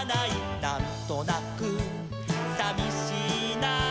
「なんとなくさみしいな」